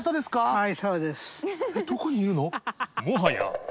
はい。